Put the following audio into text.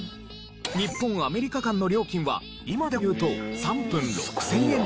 日本アメリカ間の料金は今でいうと３分６０００円でした。